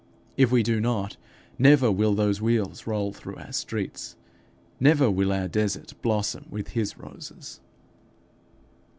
If we do not, never will those wheels roll through our streets; never will our desert blossom with his roses.